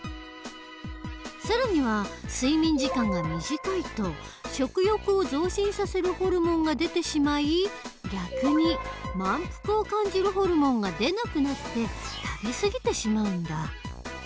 更には睡眠時間が短いと食欲を増進させるホルモンが出てしまい逆に満腹を感じるホルモンが出なくなって食べすぎてしまうんだ。